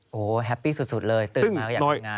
โอ้โหแฮปปี้สุดเลยตื่นมาอยากทำงาน